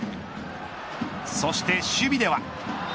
そして守備では。